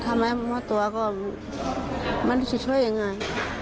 ถ้าไม่มอบตัวก็ไม่รู้จะช่วยยังไง